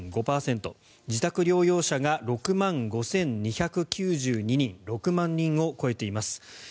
自宅療養者が６万５２９２人６万人を超えています。